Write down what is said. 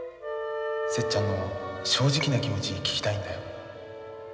節ちゃんの正直な気持ち聞きたいんだよ。